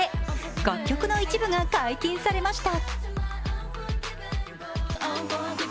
楽曲の一部が解禁されました。